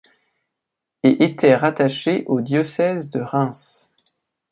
Et était rattaché au diocèse de Reims.